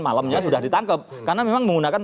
malamnya sudah ditangkap karena memang menggunakan